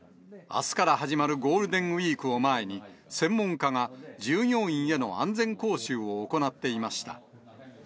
あすから始まるゴールデンウィークを前に、専門家が従業員への安全講習を行っていました。